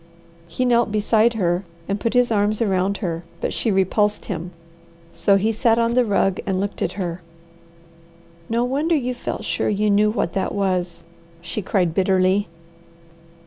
He knelt beside her and put his arms around her, but she repulsed him; so he sat on the rug and looked at her. "No wonder you felt sure you knew what that was!" she cried bitterly.